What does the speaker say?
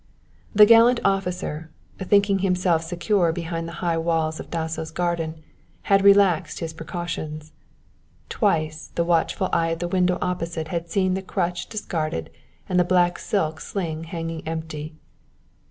The gallant officer, thinking himself secure behind the high walls of Dasso's garden, had relaxed his precautions. Twice the watchful eye at the window opposite had seen the crutch discarded and the black silk sling hanging empty.